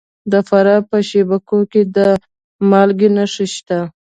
د فراه په شیب کوه کې د مالګې نښې شته.